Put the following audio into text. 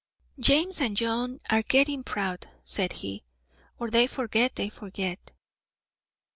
"James and John are getting proud," said he, "or they forget, they forget."